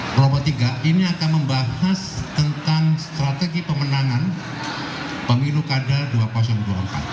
kelompok tiga ini akan membahas tentang strategi pemenangan pemilu kada dua ribu dua puluh empat